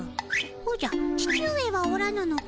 おじゃ父上はおらぬのかの？